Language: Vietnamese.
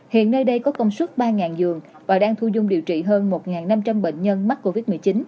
hiện nơi đây có công suất ba giường và đang thu dung điều trị hơn một năm trăm linh bệnh nhân mắc covid một mươi chín